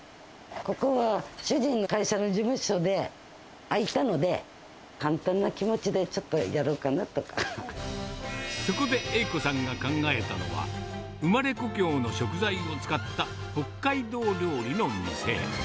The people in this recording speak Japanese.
ここは主人の会社の事務所で空いたので、簡単な気持ちで、ちょっそこで栄子さんが考えたのは、生まれ故郷の食材を使った北海道料理の店。